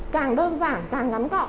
càng đơn giản càng ngắn gọn